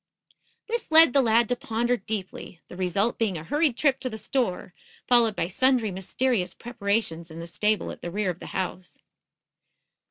This led the lad to ponder deeply, the result being a hurried trip to the store, followed by sundry mysterious preparations in the stable at the rear of the house.